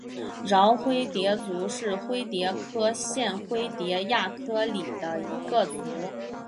娆灰蝶族是灰蝶科线灰蝶亚科里的一个族。